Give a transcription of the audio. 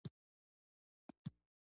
په ځمکه يې سیوری نشته په اسمان ستوری